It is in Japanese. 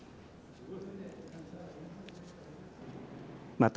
また。